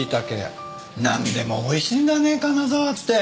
何でもおいしいんだね金沢って。